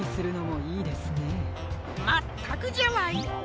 まったくじゃわい。